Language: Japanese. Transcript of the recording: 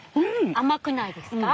甘くないですか？